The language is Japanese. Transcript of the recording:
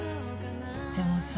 でもさ。